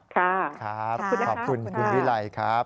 ครับขอบคุณคุณพี่ไหล่ครับขอบคุณค่ะ